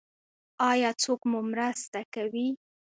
ایا څوک مو مرسته کوي؟